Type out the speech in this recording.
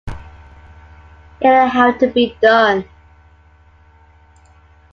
It'll have to be done.